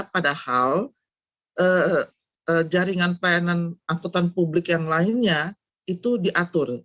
padahal jaringan pelayanan angkutan publik yang lainnya itu diatur